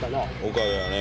岡部はね